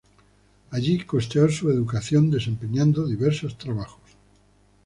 Allí costeó su educación desempeñando diversos trabajos.